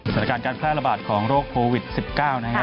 สถานการณ์การแพรรบาดของโรคโพวิธสิบเก้านะครับ